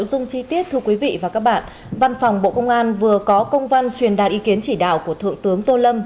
nội dung chi tiết thưa quý vị và các bạn văn phòng bộ công an vừa có công văn truyền đạt ý kiến chỉ đạo của thượng tướng tô lâm